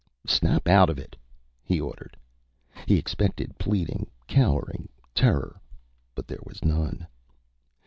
"Snap out of it," he ordered. He expected pleading, cowering, terror, but there was none.